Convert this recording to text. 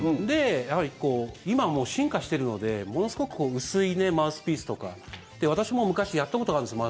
やはり、今、進化しているのでものすごく薄いマウスピースとか私も昔、やったことあるんです。